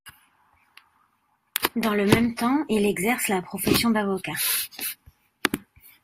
Dans le même temps, il exerce la profession d'avocat.